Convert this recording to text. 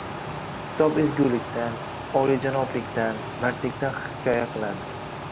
Kitob ezgulikdan, oliyjanoblikdan, mardlikdan hikoya qiladi.